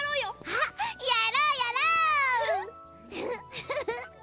ウフフッ！